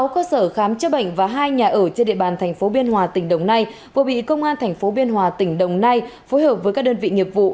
sáu cơ sở khám chữa bệnh và hai nhà ở trên địa bàn tp biên hòa tỉnh đồng nai vừa bị công an tp biên hòa tỉnh đồng nai phối hợp với các đơn vị nghiệp vụ